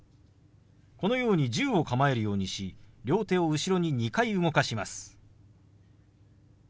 このように銃を構えるようにし両手を後ろに２回動かします。